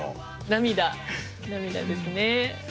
涙涙ですね。